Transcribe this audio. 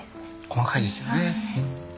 細かいですよね。